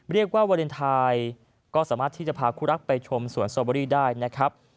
วาเลนไทยก็สามารถที่จะพาคู่รักไปชมสวนสตอเบอรี่ได้นะครับ